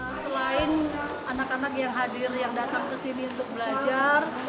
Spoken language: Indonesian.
ya selain anak anak yang hadir yang datang ke sini untuk belajar